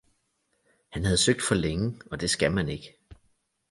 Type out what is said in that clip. Han havde søgt for længe, og det skal man ikke.